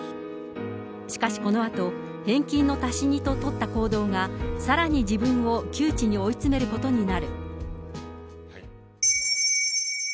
しかしこのあと、返金の足しにと取った行動が、さらに自分を窮地に追い詰めることになる。